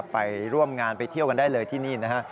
ไปร่วมงานไปเที่ยวกันได้เลยที่นี่นะฮะ